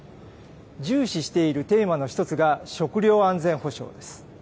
重視しているテーマの１つが、食料安全保障です。